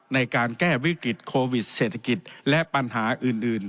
ในการแก้วิกฤตโควิดเศรษฐกิจและปัญหาอื่น